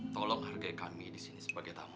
tolong hargai kami disini sebagai tamu